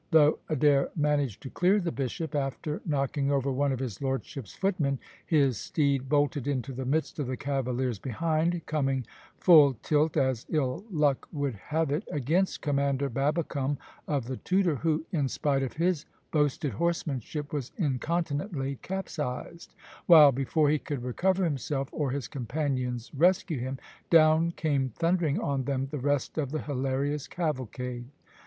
Though Adair managed to clear the bishop, after knocking over one of his lordship's footmen, his steed bolted into the midst of the cavaliers behind, coming full tilt, as ill luck would have it, against Commander Babbicome of the Tudor, who, in spite of his boasted horsemanship, was incontinently capsized, while, before he could recover himself, or his companions rescue him, down came thundering on them the rest of the hilarious cavalcade.